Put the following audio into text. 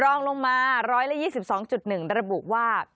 รองลงมาร้อยละ๒๒๑ระบุว่า